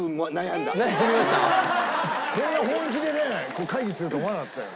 こんな本気で会議するとは思わなかったよ。